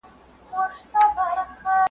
ته به خبره نه یې `